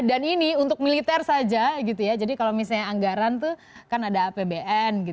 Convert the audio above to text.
dan ini untuk militer saja jadi kalau misalnya anggaran tuh kan ada apbn